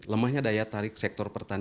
lemahnya daya tarik sektor pertanian